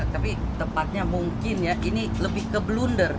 tapi tepatnya mungkin ya ini lebih ke blunder